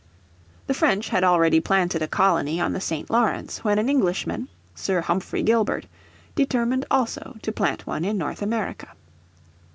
The French had already planted a colony on the St. Lawrence when an Englishman, Sir Humphrey Gilbert, determined also to plant one in North America.